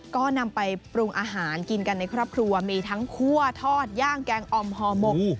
ก็นำไปปรุงอาหารกินกันในครอบครัวมีทั้งคั่วทอดย่างแกงอ่อมห่อหมก